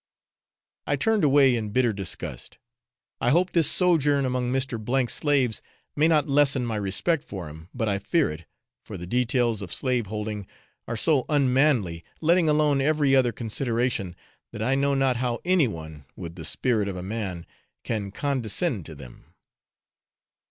I turned away in bitter disgust. I hope this sojourn among Mr. 's slaves may not lessen my respect for him, but I fear it; for the details of slave holding are so unmanly, letting alone every other consideration, that I know not how anyone, with the spirit of a man, can condescend to them.